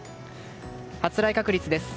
発雷確率です。